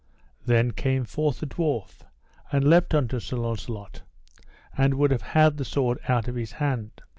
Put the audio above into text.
Then came forth a dwarf, and leapt unto Sir Launcelot, and would have had the sword out of his hand.